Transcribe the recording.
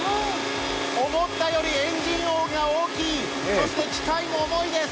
思ったよりエンジン音が大きい、そして機械も重いです。